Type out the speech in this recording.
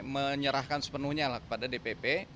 menyerahkan sepenuhnya lah kepada dpp